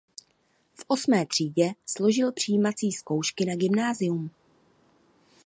V osmé třídě složil přijímací zkoušky na gymnázium.